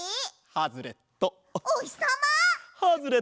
ハズレット。